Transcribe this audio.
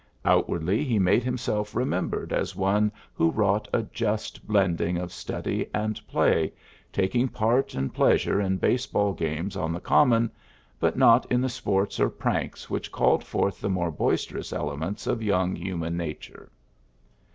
Out wardly, he made himself remembered as one who wrought a just blending of study and play, taking part and pleas ure in baseball games on the Common, but not in the sports or pranks which called forth the more boisterous ele ments of young human nature.